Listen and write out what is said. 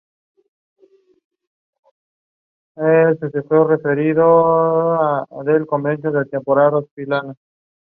Yeh leads the company.